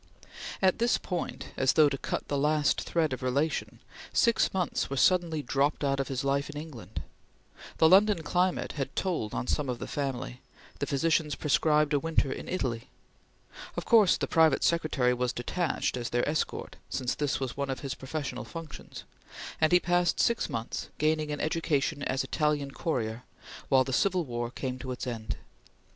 At this point, as though to cut the last thread of relation, six months were suddenly dropped out of his life in England. The London climate had told on some of the family; the physicians prescribed a winter in Italy. Of course the private secretary was detached as their escort, since this was one of his professional functions; and he passed six months, gaining an education as Italian courier, while the Civil War came to its end.